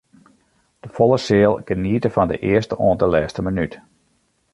De folle seal geniete fan de earste oant de lêste minút.